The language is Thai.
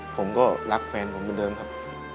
ผมก็รักแฟนผมเหมือนเดิมครับ